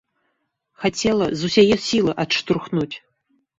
Хацела з усяе сілы адштурхнуць.